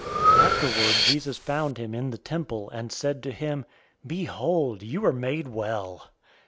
005:014 Afterward Jesus found him in the temple, and said to him, "Behold, you are made well.